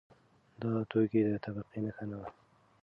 دا توکی د طبقې نښه نه وه.